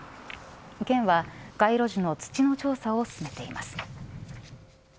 県は街路樹の土の調査を進めています。